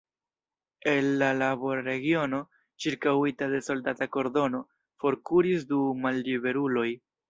El la laborregiono, ĉirkaŭita de soldata kordono, forkuris du malliberuloj.